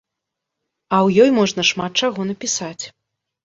А ў ёй можна шмат чаго напісаць.